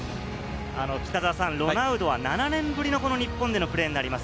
ロナウドは７年ぶりの日本でのプレーになります。